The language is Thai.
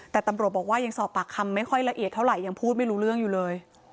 แต่ตำรวจบอกว่ายังสอบปากคำไม่ค่อยละเอียดเท่าไหร่ยังพูดไม่รู้เรื่องอยู่เลย